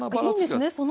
いいんですね